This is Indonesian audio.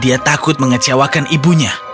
dia takut mengecewakan ibunya